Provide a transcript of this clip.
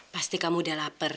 pasti kamu udah lapar